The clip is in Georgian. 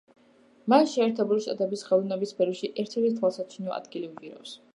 მას შეერთებული შტატების ხელოვნების სფეროში ერთერთი თვალსაჩინო ადგილი უჭირავს.